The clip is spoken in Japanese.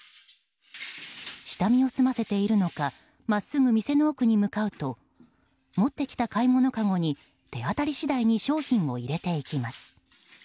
下見を済ませているのか真っすぐ店の奥に向かうと持ってきた買い物かごに手当たり次第に商品を入れていきます。